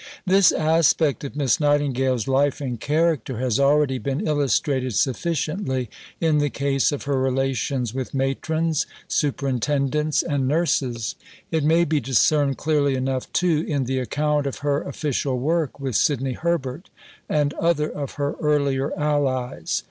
This aspect of Miss Nightingale's life and character has already been illustrated sufficiently in the case of her relations with Matrons, Superintendents, and Nurses. It may be discerned clearly enough, too, in the account of her official work with Sidney Herbert and other of her earlier allies.